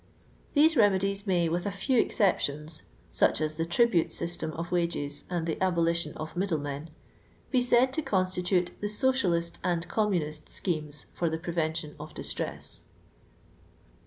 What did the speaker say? These reinedies may, with a fisw excep tions (such as the tribute system of wages, aud tbe abolition of middlemen), be said to constitute tha socialist and communist schemes ibr the pre itntion of distress.